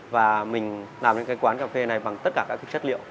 và mình làm những cái quán cà phê này bằng tất cả các chất liệu